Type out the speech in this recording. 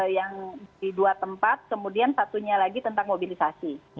yang di dua tempat kemudian satunya lagi tentang mobilisasi